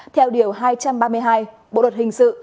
theo điều hai trăm ba mươi hai bộ luật hình sự